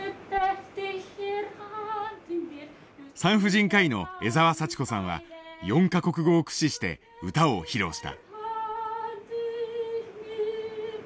産婦人科医の江澤佐知子さんは４か国語を駆使して歌を披露した。